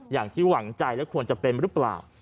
อย่างที่หวังใจและควรจะเป็นหรือเปล่า